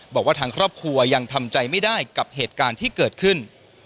บอกว่าทางครอบครัวยังทำใจไม่ได้กับเหตุการณ์ที่เกิดขึ้น